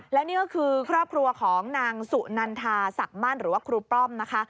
และนี่ก็คือครอบครัวของนางสุนันทาศักดิ์มั่นหรือว่าครูป้อมนะคะ